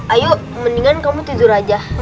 ayo mendingan kamu tidur aja